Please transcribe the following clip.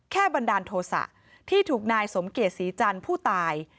บันดาลโทษะที่ถูกนายสมเกียจศรีจันทร์ผู้ตาย